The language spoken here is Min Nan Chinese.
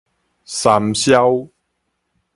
山魈